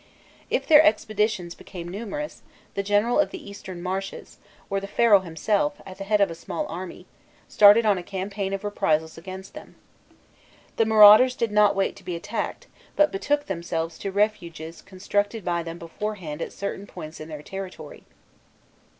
If their expeditions became numerous, the general of the Eastern Marches, or the Pharaoh himself, at the head of a small army, started on a campaign of reprisals against them. The marauders did not wait to be attacked, but betook themselves to refuges constructed by them beforehand at certain points in their territory.